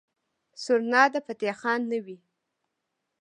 سورنا د فتح خان نه وي.